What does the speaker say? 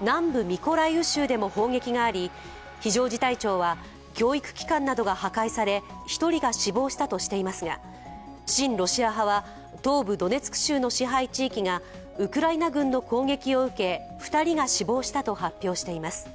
南部ミコライウ州でも砲撃があり非常事態庁は教育機関などが破壊され、１人が死亡したとしていますが親ロシア派は東部ドネツク州の支配地域がウクライナ軍の攻撃を受け２人が死亡したと発表しています。